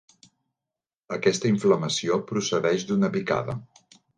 Aquesta inflamació procedeix d'una picada.